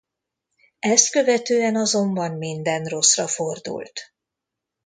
Ezt követően azonban minden rosszra fordult.